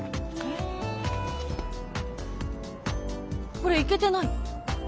これイケてない？